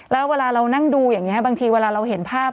แล้วเวลาเรานั่งดูอย่างนี้บางทีเวลาเราเห็นภาพ